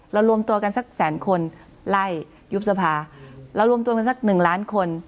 รวมตัวกันสักแสนคนไล่ยุบสภาเรารวมตัวกันสักหนึ่งล้านคน